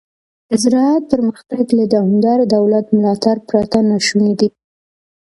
د زراعت پرمختګ له دوامداره دولت ملاتړ پرته ناشونی دی.